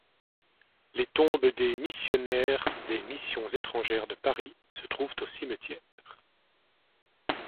Les tombes des missionnaires des Missions étrangères de Paris se trouvent au cimetière.